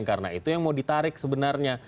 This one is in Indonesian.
dan karena itu yang mau ditarik sebenarnya